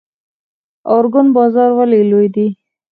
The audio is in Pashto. ارګون بازار ولې لوی دی؟